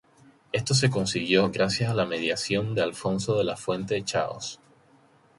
Esto se consiguió gracias a la mediación de Alfonso de la Fuente Chaos.